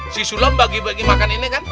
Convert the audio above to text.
si sulam bagi bagi makan ini kan